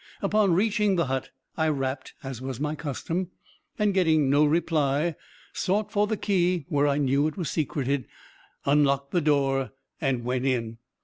Upon reaching the hut I rapped, as was my custom, and getting no reply, sought for the key where I knew it was secreted, unlocked the door, and went in.